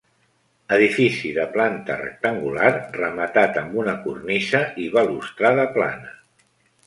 Edifici de planta rectangular rematat amb una cornisa i balustrada plana.